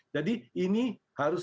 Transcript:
jadi ini harusnya